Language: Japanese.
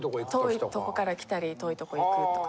遠いとこから来たり遠いとこ行くとか。